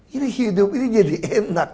ini hidup ini jadi enak